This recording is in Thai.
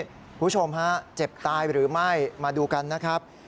คุณผู้ชมฮะเจ็บตายหรือไม่มาดูกันนะครับ